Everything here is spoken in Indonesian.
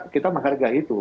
kita menghargai itu